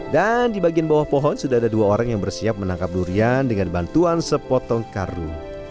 dan di bagian bawah pohon sudah ada dua orang yang bersiap menangkap durian dengan bantuan sepotong karu